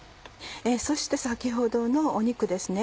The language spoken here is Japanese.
そして先ほどの肉ですね。